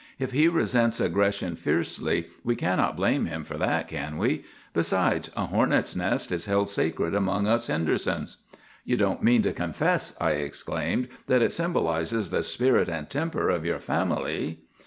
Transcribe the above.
If he resents aggression fiercely, we cannot blame him for that, can we? Besides, a hornets' nest is held sacred among us Hendersons.' "'You don't mean to confess,' I exclaimed, 'that it symbolizes the spirit and temper of your family?